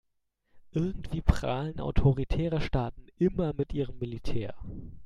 Irgendwie prahlen autoritäre Staaten immer mit ihrem Militär.